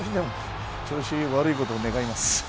調子悪いことを願います。